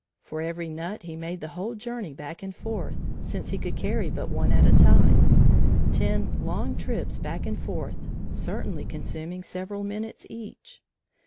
For every nut he made the whole journey back and forth, since he could carry but one at a time, ten long trips back and forth, certainly consuming several minutes each.